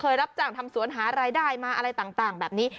รับจ้างทำสวนหารายได้มาอะไรต่างแบบนี้